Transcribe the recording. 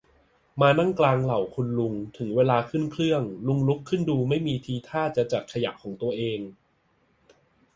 มานั่งกลางเหล่าคุณลุง ถึงเวลาขึ้นเครื่อง ลุงลุกขึ้นดูไม่มีทีท่าจะจัดขยะของตัวเอง